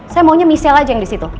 saya maunya michelle aja yang di situ